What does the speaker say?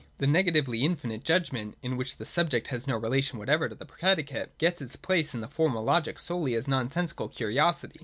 The negatively infinite judgment, in which the subject has no relation whatever to the predicate, gets its place in the Formal Logic solely as a nonsensical curiosity.